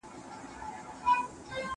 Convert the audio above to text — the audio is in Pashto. شاه اشرف د عبدالعزیز زوی و.